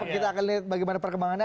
kita akan lihat bagaimana perkembangannya